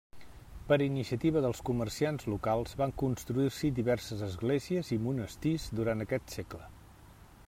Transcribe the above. Per iniciativa dels comerciants locals van construir-s'hi diverses esglésies i monestirs durant aquest segle.